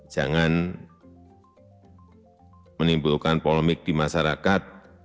jangan menimbulkan polemik di masyarakat